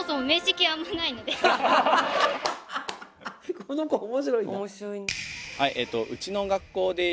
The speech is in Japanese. この子面白いな。